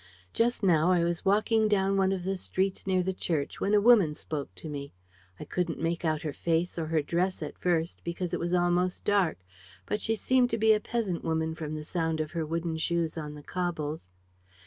Just now, I was walking down one of the streets near the church when a woman spoke to me. I couldn't make out her face or her dress at first, because it was almost dark, but she seemed to be a peasant woman from the sound of her wooden shoes on the cobbles.